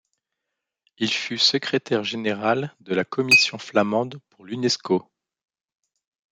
Il fut secrétaire général de la commission flamande pour l'Unesco.